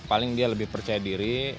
paling dia lebih percaya diri